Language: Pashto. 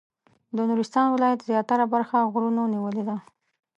د نورستان ولایت زیاتره برخه غرونو نیولې ده.